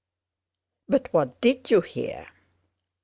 "But what did you hear?"